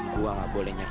gue gak boleh nyerah